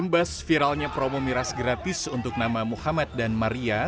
imbas viralnya promo miras gratis untuk nama muhammad dan maria